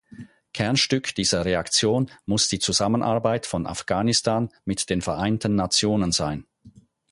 Kernstück dieser Reaktion muss die Zusammenarbeit von Afghanistan mit den Vereinten Nationen sein.